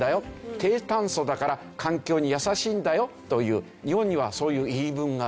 低炭素だから環境に優しいんだよという日本にはそういう言い分がある。